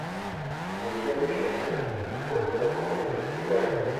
No dia do check-in, você vai comer o que quiser.